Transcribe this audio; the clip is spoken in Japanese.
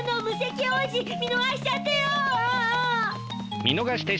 見逃しちゃったよ！